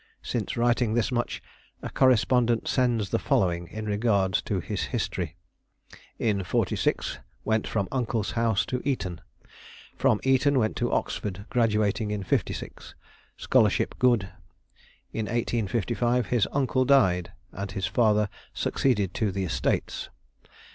Since writing this much, a correspondent sends the following in regard to his history. In '46 went from uncle's house to Eton. From Eton went to Oxford, graduating in '56. Scholarship good. In 1855 his uncle died, and his father succeeded to the estates.